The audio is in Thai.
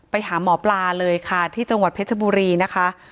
ไปหาหมอปลาเลยค่ะที่จังหวัดเพชรบุรีนะคะ